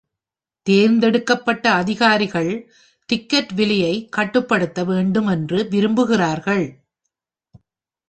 தேர்ந்தெடுக்கப்பட்ட அதிகாரிகள் டிக்கெட் விலையை கட்டுப்படுத்த வேண்டும் என்று விரும்புகிறார்கள்.